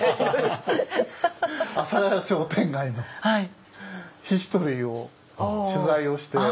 阿佐谷商店街のヒストリーを取材をして。